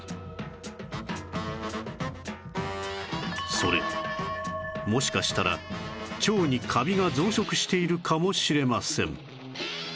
それもしかしたら腸にカビが増殖しているかもしれません